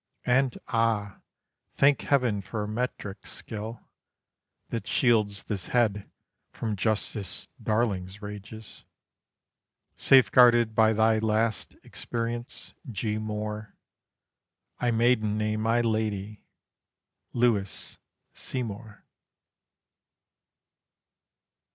And ah! thank Heaven for a metric skill That shields this head from Justice Darling's rages ... Safeguarded by thy last experience, G. Moore, I maiden name my lady Lewis Seymour.